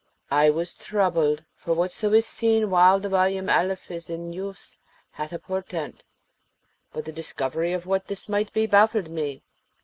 I was troubled, for whatso is seen while the volume Alif is in use hath a portent; but the discovery of what this might be baffled me.